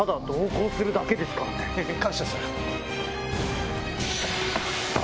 感謝する。